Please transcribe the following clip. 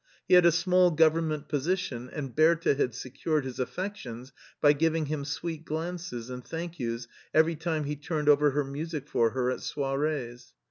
He had a small government position, and Bertha had secured his affections by giving him sweet glances and " thank yous " every time he turned over her music for her at soirees.